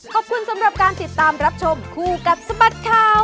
ขอบคุณสำหรับการติดตามรับชมคู่กับสบัดข่าว